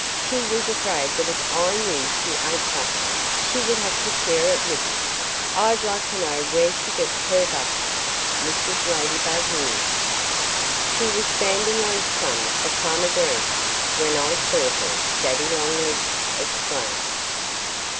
"She was afraid that if I knew she ate butter she would have to share it with me.... I'd like to know where she gets her butter," Mrs. Ladybug mused. "She was standing on some of Farmer Green's, when I saw her," Daddy Longlegs explained.